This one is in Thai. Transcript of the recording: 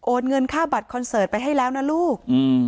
เงินค่าบัตรคอนเสิร์ตไปให้แล้วนะลูกอืม